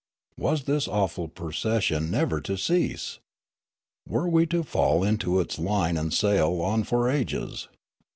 Was this awful procession never to cease ? Were we to fall into its line and sail on for ages